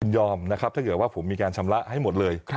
ยอมถ้าเกือบว่าผมมีการชำระให้หมดเลย